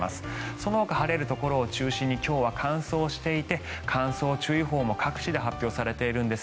そのほか晴れるところを中心に今日は乾燥していて乾燥注意報も各地で発表されています。